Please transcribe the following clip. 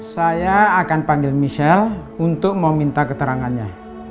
saya akan panggil michelle untuk meminta keterangannya